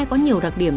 có nhiều đặc điểm